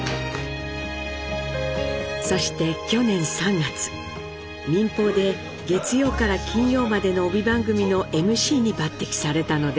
そして去年３月民放で月曜から金曜までの帯番組のＭＣに抜てきされたのです。